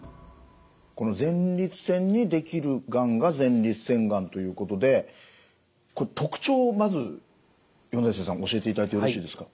この前立腺に出来るがんが前立腺がんということでこれ特徴をまず米瀬さん教えていただいてよろしいですか？